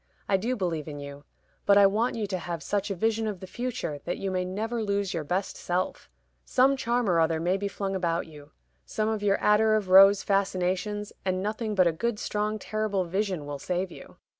I do believe in you; but I want you to have such a vision of the future that you may never lose your best self. Some charm or other may be flung about you some of your attar of rose fascinations and nothing but a good strong terrible vision will save you.